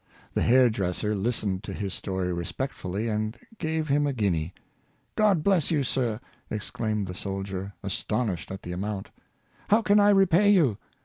The hair dresser listened to his story respectfully, and gave him a guinea. " God bless 3'ou, sir!" exclaimed the soldier, astonished at the amount, "how can I repay you?